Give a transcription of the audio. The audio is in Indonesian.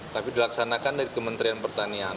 tapi dilaksanakan dari kementerian pertanian